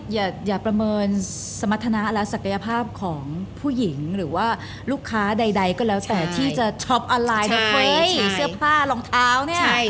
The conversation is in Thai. อย่าประเมินสมรรถนะและศักยภาพของผู้หญิงหรือว่าลูกค้าใดก็แล้วแต่ที่จะช็อปออนไลน์นะเว้ยเสื้อผ้ารองเท้าเนี่ยใช่